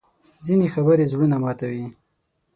ځینې خبرې زړونه ماتوي